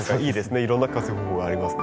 いろんな活用法がありますね。